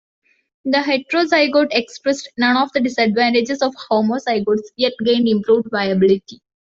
The heterozygote expressed none of the disadvantages of homozygotes, yet gained improved viability.